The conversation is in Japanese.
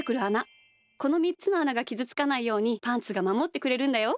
この３つのあながきずつかないようにパンツがまもってくれるんだよ。